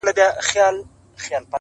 o په سلو وهلی ښه دئ، نه په يوه پړ.